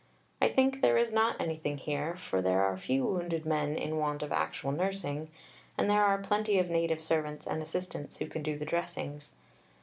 I think there is not anything here, for there are few wounded men in want of actual nursing, and there are plenty of native servants and assistants who can do the dressings.